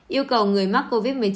yêu cầu người mắc covid một mươi chín